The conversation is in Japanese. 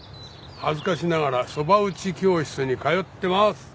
恥ずかしながらそば打ち教室に通ってます。